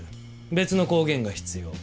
別の光源が必要。